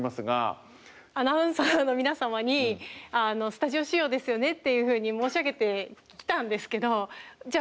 アナウンサーの皆様にスタジオ仕様ですよねっていうふうに申し上げてきたんですけどじゃあ